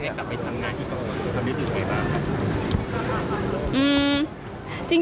ให้เกิดกลับไปทำงานอีกกว่าความรู้สึกยังไงบ้าง